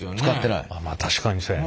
まあまあ確かにそやね。